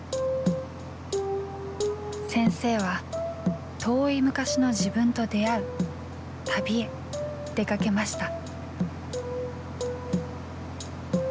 先生は遠い昔の自分と出会う旅へ出かけました。